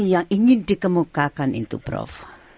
yang ingin dikemukakan itu prof